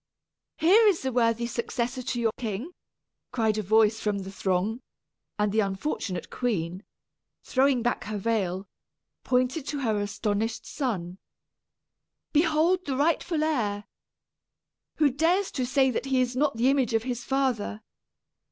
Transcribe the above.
"Here is a worthy successor to your king!" cried a voice from the throng; and the unfortunate queen, throwing back her veil, pointed to her astonished son. "Behold the rightful heir! Who dares to say that he is not the image of his father?